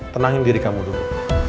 tenangin diri kamu dulu